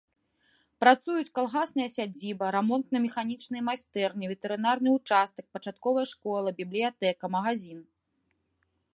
Працуюць калгасная сядзіба, рамонтна-механічныя майстэрні, ветэрынарны ўчастак, пачатковая школа, бібліятэка, магазін.